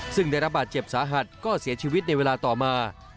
ซึ่งได้รับบาดเจ็บสาหัสก็เสียชีวิตในเวลาต่อมา